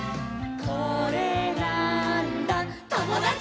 「これなーんだ『ともだち！』」